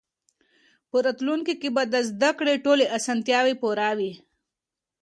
په راتلونکي کې به د زده کړې ټولې اسانتیاوې پوره وي.